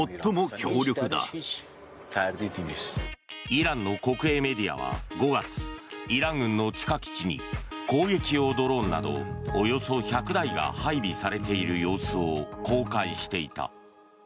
イランの国営メディアは５月イラン軍の地下基地に攻撃用ドローンなどおよそ１００台が配備されている様子を公開していた。